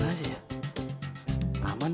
apakah saya akan aman